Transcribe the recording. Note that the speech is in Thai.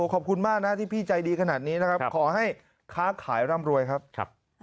ขอบคุณมากนะที่พี่ใจดีขนาดนี้นะครับขอให้ค้าขายร่ำรวยครับ